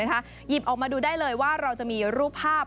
หยิบออกมาดูได้เลยว่าเราจะมีรูปภาพ